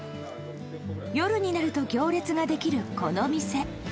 夜になると行列ができるこの店。